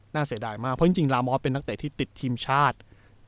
เสียดายมากเพราะจริงลามอสเป็นนักเตะที่ติดทีมชาติ